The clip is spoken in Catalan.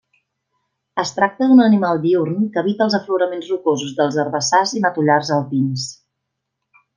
Es tracta d'un animal diürn que habita els afloraments rocosos dels herbassars i matollars alpins.